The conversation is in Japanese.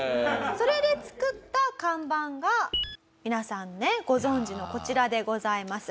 それで作った看板が皆さんねご存じのこちらでございます。